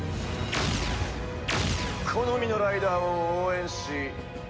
好みのライダーを応援し世紀末